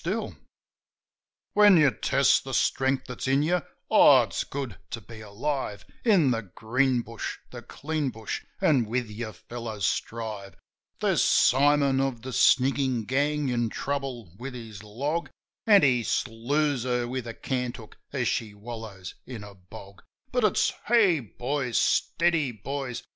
SWINGIN' DOUGLAS 13 When you test the strength that's in you, oh, it's good to be alive In the green bush, the clean bush, an' with your fellows strive ... There's Simon, of the sniggin' gang, in trouble with his log, An' he slews her with a cant hook as she wallows in a bog. But it's : Hey, boys ! Steady, boys!